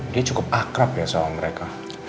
dia cukup akrab ya sama mereka